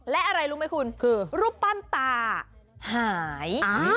และอะไรรู้ไหมคุณคือรูปปั้นตาหาย